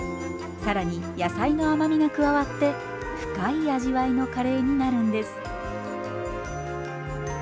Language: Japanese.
更に野菜の甘みが加わって深い味わいのカレーになるんです。